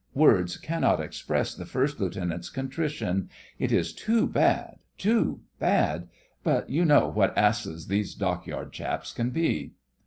Words cannot express the First Lieutenant's contrition. It is too bad, too bad, but you know what asses these Dockyard chaps can be.